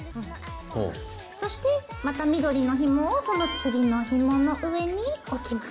そしてまた緑のひもをその次のひもの上に置きます。